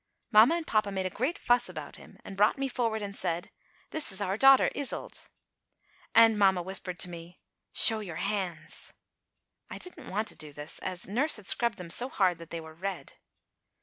Mamma and papa made a great fuss about him and brought me forward and said: "This is our daughter Iseult," and mamma whispered to me: "Show your hands." I didn't want to do this, as nurse had scrubbed them so hard that they were red.